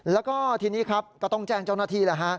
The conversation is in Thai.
แล้วก็ทีนี้ก็ต้องแจ้งเจ้าหน้าที่